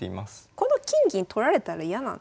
この金銀取られたら嫌なんですね。